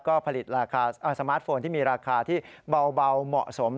ก็ผลิตสมาร์ทโฟนที่มีราคาที่เบาเหมาะสม